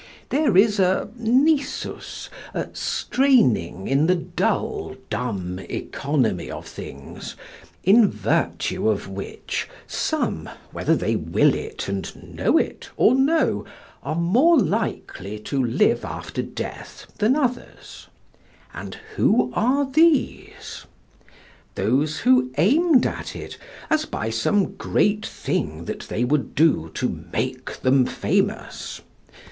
There is a nisus, a straining in the dull dumb economy of things, in virtue of which some, whether they will it and know it or no, are more likely to live after death than others, and who are these? Those who aimed at it as by some great thing that they would do to make them famous?